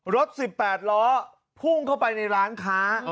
รถ๑๘ล้อพุ่งเข้าไปในร้านค้า